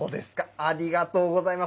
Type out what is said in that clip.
ありがとうございます。